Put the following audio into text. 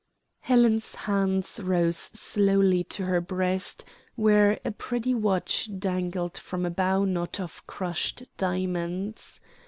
Helen's hands rose slowly to her breast, where a pretty watch dangled from a bowknot of crushed diamonds.